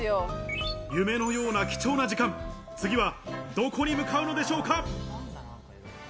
夢のような貴重な時間、次はどこに向かうのでしょうか？